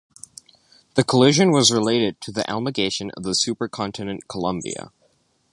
The collision was related to the amalgamation of the supercontinent Columbia.